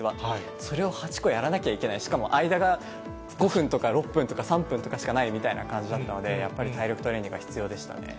それを８個やらなきゃいけない、しかも間が５分とか６分とか３分とかしかないみたいな感じだったので、やっぱり体力トレーニングは必要でしたね。